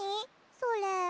それ。